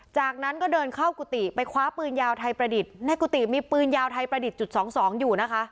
จากนั้นก็เดินเข้ากุฏิไปคว้าปืนยาวไทยประดิษฐ์ในกุฏิมีปืนยาวไทยประดิษฐ์จุดสองสองอยู่นะคะ